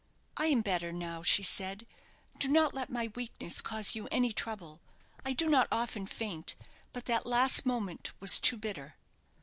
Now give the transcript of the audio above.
"I am better now," she said. "Do not let my weakness cause you any trouble. I do not often faint; but that last moment was too bitter."